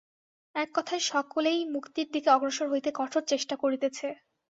এক কথায় সকলেই মুক্তির দিকে অগ্রসর হইতে কঠোর চেষ্টা করিতেছে।